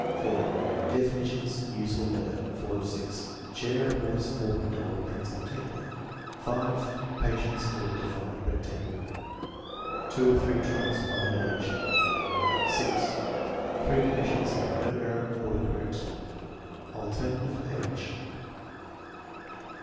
4. Definitions, use or better. (4 of 6.) Chair; horse; fork; doll; pencil; table. 5. Patience, or divided rectangle. (2 of 3 trials, 1 minute each.) 6. Three commissions. (No error. Order correct.) Al. Age.